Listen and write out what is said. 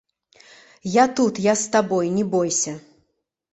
Я тут, я з табой, не бойся.